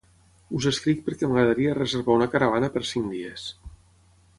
Us escric perquè m'agradaria reservar una caravana per cinc dies.